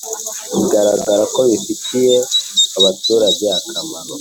bigaragara ko bifitiye abaturage akamaro